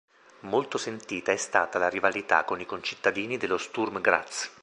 Molto sentita è stata la rivalità con i concittadini dello Sturm Graz.